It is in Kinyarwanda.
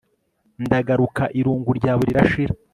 Ndagaruka irungu ryawe rirashira